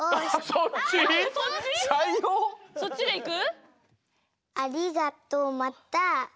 そっちでいく？